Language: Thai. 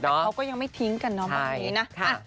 แต่เขาก็ยังไม่ทิ้งกันเนาะแบบนี้นะ